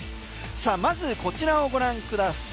さあまずこちらをご覧ください。